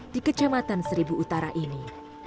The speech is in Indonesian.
di kecamatan seribu utara ini